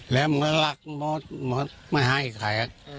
แล้วมะฤัลลักษณ์หมดไม่ให้อีกใครอ่ะ